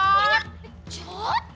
ちょっと！